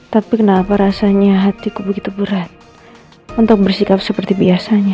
tapi kenapa rasanya hatiku begitu berat untuk bersikap seperti biasanya